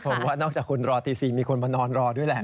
ผมว่านอกจากคุณรอตี๔มีคนมานอนรอด้วยแหละ